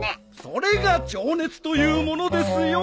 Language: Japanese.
それが情熱というものですよ